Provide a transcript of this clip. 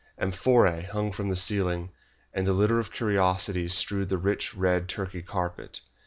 Amphorae hung from the ceiling, and a litter of curiosities strewed the rich red Turkey carpet.